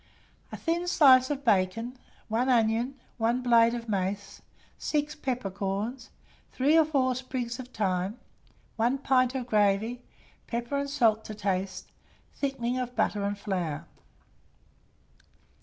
A thin slice of bacon, 1 onion, 1 blade of mace, 6 peppercorns, 3 or 4 sprigs of thyme, 1 pint of gravy, pepper and salt to taste, thickening of butter and flour.